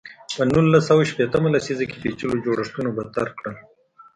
په نولس سوه شپېته مه لسیزه کې پېچلو جوړښتونو بدتر کړل.